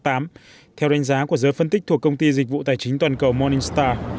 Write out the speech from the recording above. theo đánh giá của giới phân tích thuộc công ty dịch vụ tài chính toàn cầu morningstar